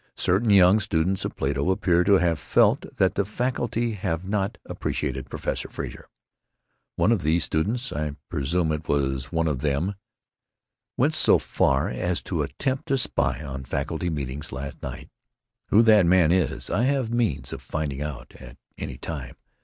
Certain young students of Plato appear to have felt that the faculty have not appreciated Professor Frazer. One of these students, I presume it was one of them, went so far as to attempt to spy on faculty meeting last night. Who that man is I have means of finding out at any time.